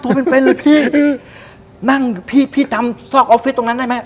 ตัวเป็นหรือพี่นั่งพี่ทำซอกอฟฟิศตรงนั้นได้ไหม